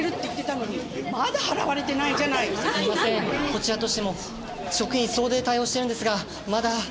こちらとしても職員総出で対応してるんですがまだ。